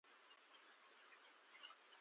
د اسلامي عدل پر بنسټ خلافت چارې تنظیم کړې.